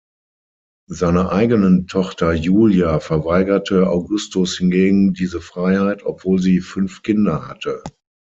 Seiner eigenen Tochter Julia verweigerte Augustus hingegen diese Freiheit, obwohl sie fünf Kinder hatte.